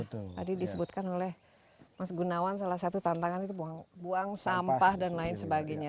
tadi disebutkan oleh mas gunawan salah satu tantangan itu buang sampah dan lain sebagainya